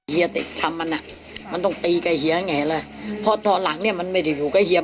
เคยส่วนคนเห็นมันและหลายหมดเดียว